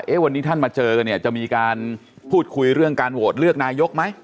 วันนี้ท่านมาเจอกันเนี่ยจะมีการพูดคุยเรื่องการโหวตเลือกนายกไหม